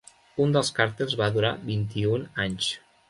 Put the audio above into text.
Un dels càrtels va durar vint-i-un anys.